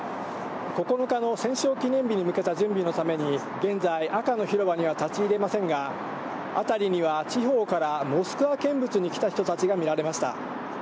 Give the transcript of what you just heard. ９日の戦勝記念日に向けた準備のために、現在、赤の広場には立ち入れませんが、辺りには地方からモスクワ見物に来た人たちが見られました。